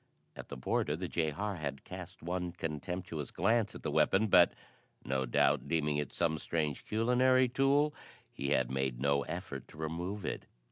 At the border the jehar had cast one contemptuous glance at the weapon, but, no doubt deeming it some strange culinary tool, he had made no effort to remove it.